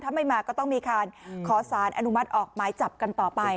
ถ้าไม่มาก็ต้องมีการขอสารอนุมัติออกหมายจับกันต่อไป